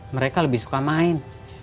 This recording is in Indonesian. mereka lebih suka main